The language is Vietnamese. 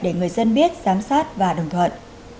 để người dân biết giám sát và đồng thuận